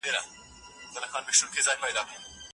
په اروپا کي د زر کلنې دورې اغېزې تر اوسه پورې پاتې دي.